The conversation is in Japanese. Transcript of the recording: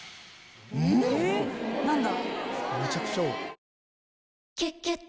・何だ？